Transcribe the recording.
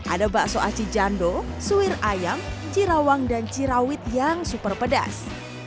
ada bakso aci jando suwir ayam cirawang dan cirawit yang super pedas